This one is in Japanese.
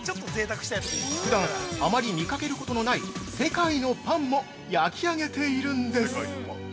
普段、あまり見かけることのない世界のパンも焼き上げているんです。